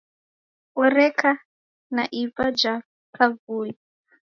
Oreka na iva ja kavui.